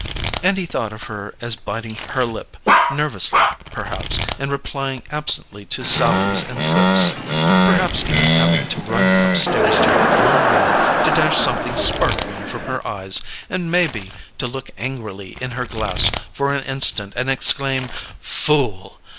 And he thought of her as biting her lip nervously, perhaps, and replying absently to sallies and quips perhaps even having to run upstairs to her own room to dash something sparkling from her eyes, and, maybe, to look angrily in her glass for an instant and exclaim, "Fool!"